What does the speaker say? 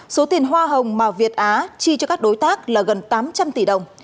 số tiền hoa hồng mà việt á chi cho các đối tác là gần tám trăm linh tỷ đồng